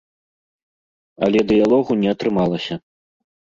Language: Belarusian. Але дыялогу не атрымалася.